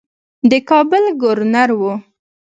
د کابل ګورنر وو.